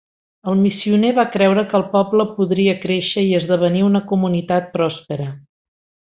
El missioner va creure que el poble podria créixer i esdevenir una comunitat pròspera.